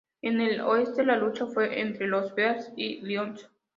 En el Oeste la lucha fue entre los Bears y Lions.